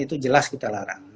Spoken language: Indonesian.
itu jelas kita larang